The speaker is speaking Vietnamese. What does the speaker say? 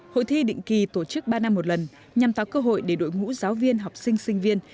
hội thi định kỳ tổ chức ba năm một lần nhằm tạo cơ hội để đội ngũ giáo viên học sinh sinh viên